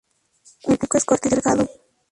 El pico es corto y delgado.